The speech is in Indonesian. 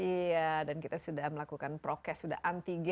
iya dan kita sudah melakukan prokes sudah anti gen